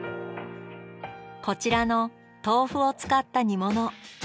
こちらの豆腐を使った煮物。